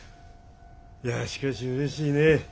いやしかしうれしいね。